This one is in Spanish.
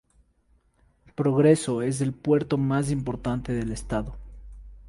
Progreso es el puerto más importante del estado.